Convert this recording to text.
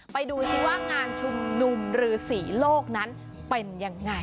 ไปดูซิว่างานชุมนุมฤษีโลกนั้นเป็นยังไง